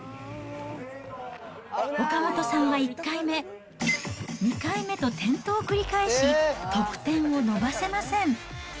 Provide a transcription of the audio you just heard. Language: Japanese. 岡本さんは１回目、２回目と転倒を繰り返し、得点を伸ばせません。